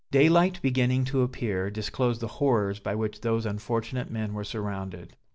Daylight beginning to appear, disclosed the horrors by which those unfortunate men were surrounded.